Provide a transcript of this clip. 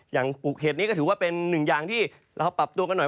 ปลูกเห็ดนี้ก็ถือว่าเป็นหนึ่งอย่างที่เราปรับตัวกันหน่อย